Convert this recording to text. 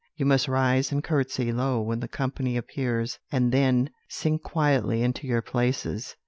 You must rise and curtsey low when the company appears, and then sink quietly into your places.'